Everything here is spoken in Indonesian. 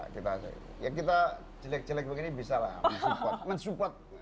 kita yang kita jelek jelek begini bisa lah men support